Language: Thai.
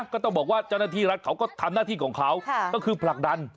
ก็ต้องบอกว่าเจ้าหน้าที่รัฐเขาก็ทำหน้าที่ของเขาก็คือผลักดัน